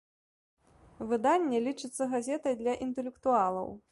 Выданне лічыцца газетай для інтэлектуалаў.